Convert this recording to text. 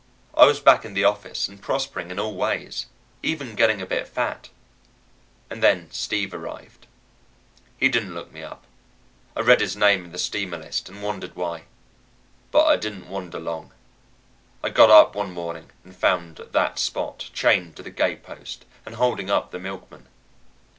I was back in the office and prospering in all ways even getting a bit fat. And then Steve arrived. He didn't look me up. I read his name in the steamer list, and wondered why. But I didn't wonder long. I got up one morning and found that Spot chained to the gate post and holding up the milkman.